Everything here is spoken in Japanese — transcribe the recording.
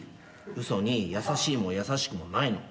嘘に優しいも優しくもないの。